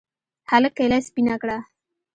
هلك کېله سپينه کړه.